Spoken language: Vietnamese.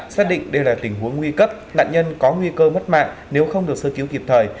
xác định đây là tình huống nguy cấp nạn nhân có nguy cơ mất mạng nếu không được sơ cứu kịp thời